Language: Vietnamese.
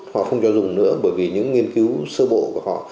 họ không cho dùng nữa bởi vì những nghiên cứu sơ bộ của họ